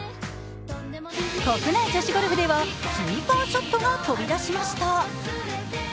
国内女子ゴルフではスーパーショットが飛び出しました。